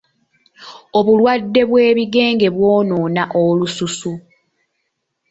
Obulwadde bw'ebigenge bwonoona olususu.